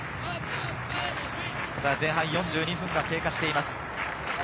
前半４２分が経過しています。